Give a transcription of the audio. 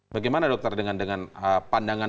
bagaimana dokter dengan pandangan